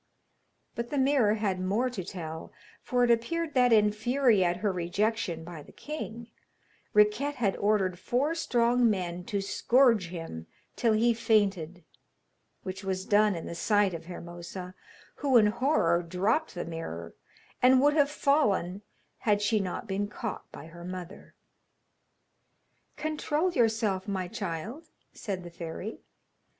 But the mirror had more to tell, for it appeared that in fury at her rejection by the king, Riquette had ordered four strong men to scourge him till he fainted, which was done in the sight of Hermosa, who in horror dropped the mirror, and would have fallen, had she not been caught by her mother. 'Control yourself, my child,' said the fairy.